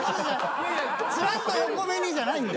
チラッと横目にじゃないんだ。